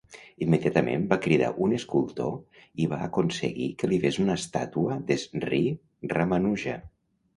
Immediatament va cridar un escultor i va aconseguir que li fes una estàtua d'Sri Ramanuja.